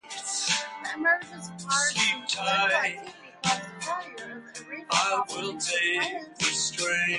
The emergence of partisan political activity caused the failure of the original constitutional plan.